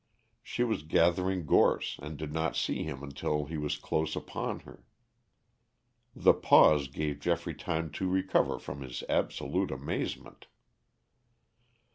She was gathering gorse and did not see him until he was close upon her. The pause gave Geoffrey time to recover from his absolute amazement.